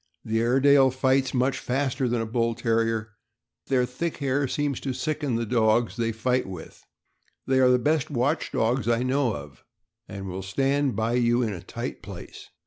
The Airedale fights much faster than the Bull Terrier, and their thick hair seems to sicken the dogs they fight with. They are the best watch dogs I know of, and will stand by you in a tight place.